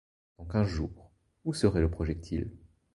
Dans quinze jours, où serait le projectile?